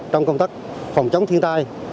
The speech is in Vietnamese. trong công tác phòng chống thiên tai